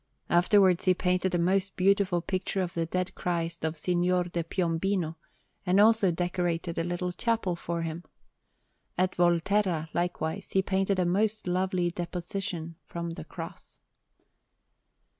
Afterwards he painted a most beautiful picture of the Dead Christ for Signor di Piombino, and also decorated a little chapel for him. At Volterra, likewise, he painted a most lovely Deposition from the Cross.